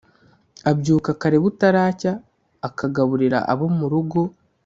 abyuka kare butaracya, akagaburira abo mu rugo,